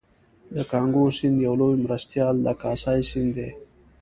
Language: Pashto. د کانګو سیند یو لوی مرستیال د کاسای سیند دی